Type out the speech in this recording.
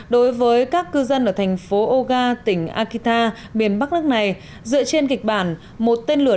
đối với các cư dân ở thành phố oga tỉnh akita miền bắc nước này dựa trên kịch bản một tên lửa